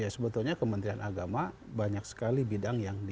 karena ya sebetulnya kementerian agama banyak sekali bidang yang di